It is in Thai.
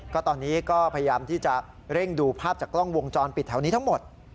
ก็ตอนนี้ก็พยายามที่จะเร่งดูภาพจากกล้องวงจรปิดแถวนี้ทั้งหมด